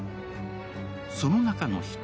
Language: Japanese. その中の一人